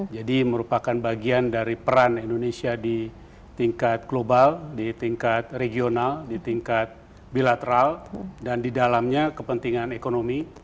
jadi merupakan bagian dari peran indonesia di tingkat global di tingkat regional di tingkat bilateral dan di dalamnya kepentingan ekonomi